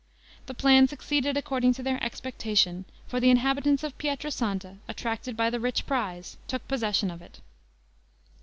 The plan succeeded according to their expectation; for the inhabitants of Pietra Santa, attracted by the rich prize took possession of it.